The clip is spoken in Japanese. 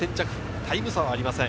タイム差はありません。